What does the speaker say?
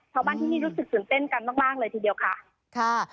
เพราะว่าที่นี่รู้สึกสนเต้นกันมากเลยทีเดียวค่ะ